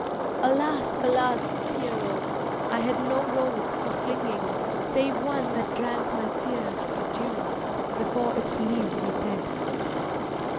Alas, alas, Pierrot, I had no rose for flinging Save one that drank my tears for dew Before its leaves were dead.